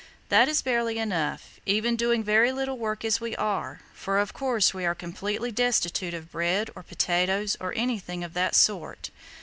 That is barely enough, even doing very little work as we are, for of course we are completely destitute of bread or potatoes or anything of that sort.